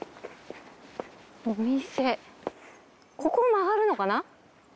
お店ここ曲がるのかな？